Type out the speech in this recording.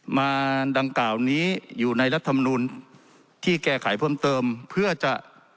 มาดังกล่าวนี้อยู่ในรัฐธรรมนูลที่แก้ไขเพิ่มเติมเพื่อจะ